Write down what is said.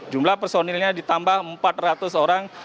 jumlah personilnya ditambah empat ratus orang